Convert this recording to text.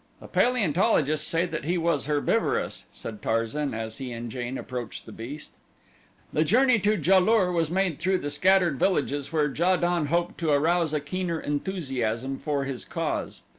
"The paleontologists say that he was herbivorous," said Tarzan as he and Jane approached the beast. The journey to Ja lur was made through the scattered villages where Ja don hoped to arouse a keener enthusiasm for his cause.